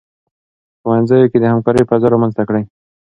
په ښوونځي کې د همکارۍ فضا رامنځته کړئ.